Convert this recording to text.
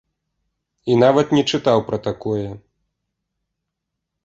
І нават не чытаў пра такое.